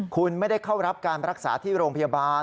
คุณไม่ได้เข้ารับการรักษาที่โรงพยาบาล